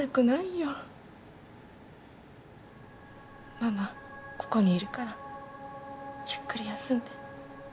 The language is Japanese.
ママここにいるからゆっくり休んで。